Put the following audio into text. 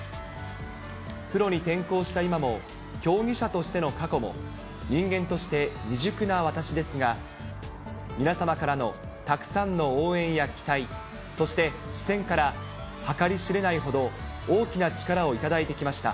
プロに転向した今も、競技者としての過去も人間として未熟な私ですが、皆様からのたくさんの応援や期待、そして視線から計り知れないほど大きな力を頂いてきました。